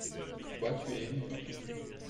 toi, tu es aimé.